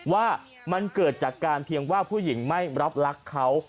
ว่ามันเกิดจากการเพียงว่าผู้หญิงไม่รับรักเขา